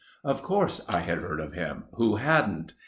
Of course I had heard of him. Who hadn't?